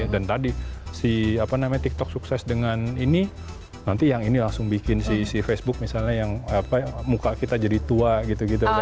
jadi kalau kita nanti nanti si apa namanya tiktok sukses dengan ini nanti yang ini langsung bikin si facebook misalnya yang apa muka kita jadi tua gitu gitu kan